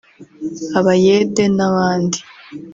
abayede n’abandi